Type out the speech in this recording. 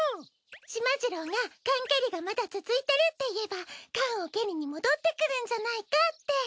しまじろうが缶蹴りがまだ続いてるって言えば缶を蹴りに戻ってくるんじゃないかって。